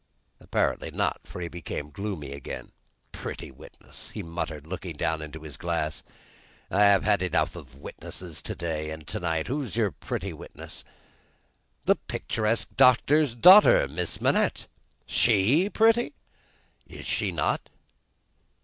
Apparently not, for he became gloomy again. "Pretty witness," he muttered, looking down into his glass. "I have had enough of witnesses to day and to night; who's your pretty witness?" "The picturesque doctor's daughter, Miss Manette." "She pretty?" "Is she not?"